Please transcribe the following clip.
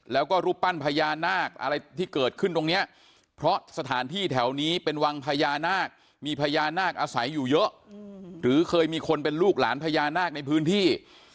แล้วก็รูปปั้นพญานาคอะไรที่เกิดขึ้นตรงนี้เพราะสถานที่แถวนี้เป็นวังพญานาคมีพญานาคอาศัยอยู่เยอะหรือเคยมีคนเป็นลูกหลานพญานาคในพื้นที่